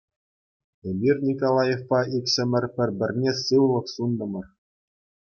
Эпир Николаевпа иксӗмӗр пӗр-пӗрне сывлӑх сунтӑмӑр.